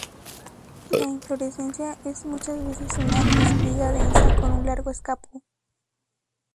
La inflorescencia es muchas veces una espiga densa, con un largo escapo.